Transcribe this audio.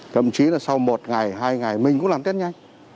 thậm chí là sau một ngày hai ngày mình cũng làm tết nhanh